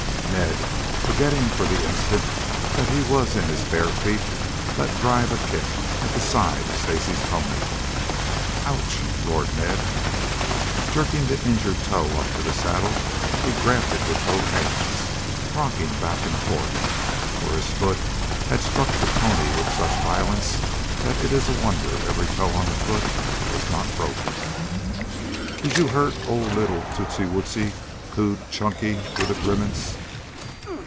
Ned, forgetting for the instant that he was in his bare feet, let drive a kick at the side of Stacy's pony. "Ouch!" roared Ned. Jerking the injured toe up to the saddle, he grabbed it with both hands, rocking back and forth, for his foot had struck the pony with such violence that it is a wonder every toe on the foot was not broken. "Did 'oo hurt 'oo little tootsie wootsies?" cooed Chunky, with a grimace.